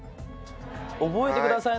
覚えてくださいね。